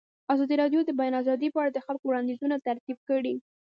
ازادي راډیو د د بیان آزادي په اړه د خلکو وړاندیزونه ترتیب کړي.